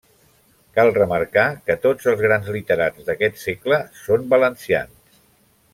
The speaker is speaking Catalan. Cal remarcar que tots els grans literats d'aquest segle són valencians.